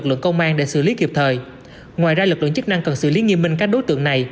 chức năng để xử lý kịp thời ngoài ra lực lượng chức năng cần xử lý nghiêm minh các đối tượng này